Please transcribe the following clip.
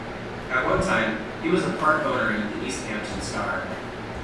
At one time, he was a part-owner in "The East Hampton Star".